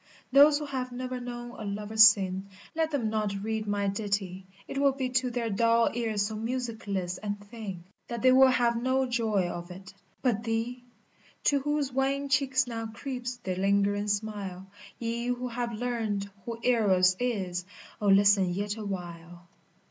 (Those who have never known a lover's sin Let them not read my ditty, it will be To their dull ears so musicless and thin That they will have no joy of it, but ye To whose wan cheeks now creeps the lingering smile Ye who have learned who Eros is, — O listen yet awhile.